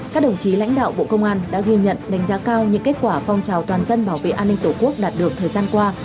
các đồng chí lãnh đạo bộ công an đã ghi nhận đánh giá cao những kết quả phong trào toàn dân bảo vệ an ninh tổ quốc đạt được thời gian qua